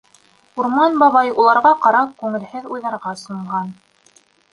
Урман бабай, уларға ҡарап, күңелһеҙ уйҙарға сумған.